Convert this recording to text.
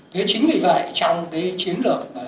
thế chính vì vậy trong cái chiến lược